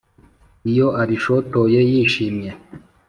iyo arishotoye yishimye